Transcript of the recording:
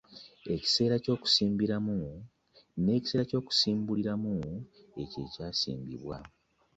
Ekiseera eky'okusimbiramu, n'ekiseera eky'okusimbuliramu ekyo ekyasimbibwa.